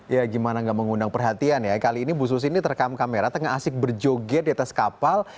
ya gimana gak mengundang perhatian ya kali ini bu susi ini terekam kamera tengah asik berjoget di atas kapal